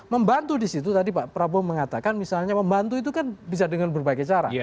membantu di situ tadi pak prabowo mengatakan misalnya membantu itu kan bisa dengan berbagai cara